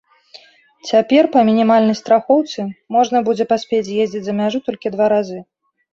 Цяпер па мінімальнай страхоўцы можна будзе паспець з'ездзіць за мяжу толькі два разы.